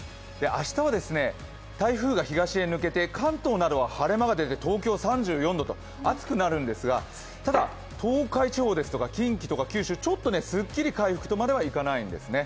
明日は台風が東へ抜けて関東などは晴れ間が出て東京３４度と暑くなるんですが東海地方ですとか近畿とか九州、ちょっとすっきり回復とまではいかないんですね。